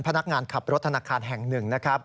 พนักงานขับรถธนาคารแห่งหนึ่งนะครับ